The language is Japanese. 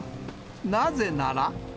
なぜなら。